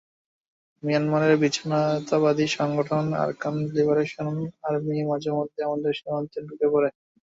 মিয়ানমারের বিচ্ছিন্নতাবাদী সংগঠন আরাকান লিবারেশন আর্মি মাঝেমধ্যে আমাদের সীমান্তে ঢুকে পড়ে।